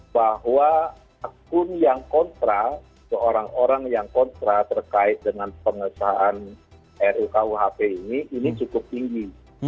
bahwa akun yang kontra seorang orang yang kontra terkait dengan pengesahan rukuhp ini ini cukup tinggi